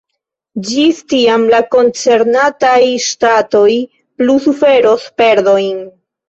Ĝis tiam la koncernataj ŝtatoj plu suferos perdojn.